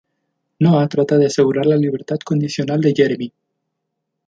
Noah trata de asegurar la libertad condicional de Jeremy.